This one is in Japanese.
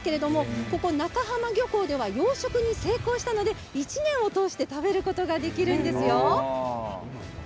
ここ中浜漁港では養殖に成功したので１年を通して食べることができるんです。